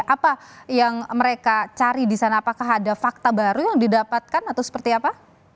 apa yang mereka cari di sana apakah ada fakta baru yang didapatkan atau seperti apa